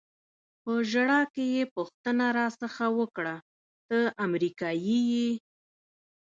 په ژړا کې یې پوښتنه را څخه وکړه: ته امریکایي یې؟